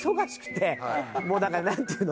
もうだからなんていうの。